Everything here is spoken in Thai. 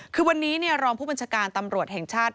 คือวันนี้รองผู้บัญชาการตำรวจแห่งชาติ